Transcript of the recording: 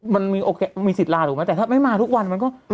มันมีสิทธิ์ลาถูกไหมแต่ถ้าไม่มาทุกวันมันก็